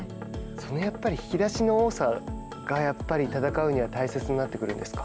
そのやっぱり引き出しの多さがやっぱり戦うには大切になってくるんですか。